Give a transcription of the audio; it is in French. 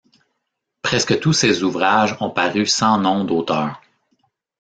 Presque tous ses ouvrages ont paru sans nom d’auteur.